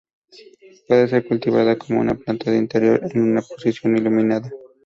Puede ser cultivada como una planta de interior en una posición iluminada.